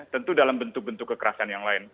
tentu dalam bentuk bentuk kekerasan yang lain